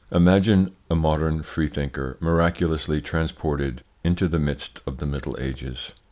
Imagine a modern freethinker miraculously transported into the midst of the Middle Ages.